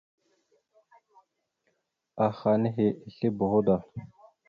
Aha henne ma esle boho da.